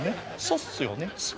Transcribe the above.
そっすよね